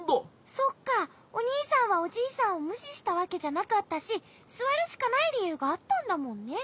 そっかおにいさんはおじいさんをむししたわけじゃなかったしすわるしかないりゆうがあったんだもんね。